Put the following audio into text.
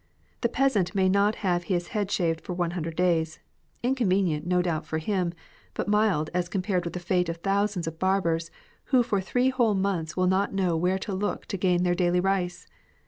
The peasant may not have his head shaved for one hundred days — inconvenient, no doubt, for him, but mild as compared with the fate of thousands of barbers who for three whole months will not know where to look to gain theii daily rice.